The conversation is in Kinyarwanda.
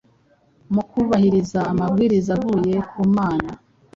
Mu kubahiriza amabwiriza avuye ku Mana,